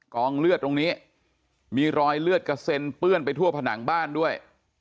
กองเลือดตรงนี้มีรอยเลือดกระเซ็นเปื้อนไปทั่วผนังบ้านด้วย